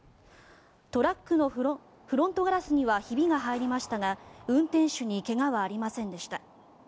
トラックのフロントガラスにはひびが入りましたが運転手に怪我はありませんでした。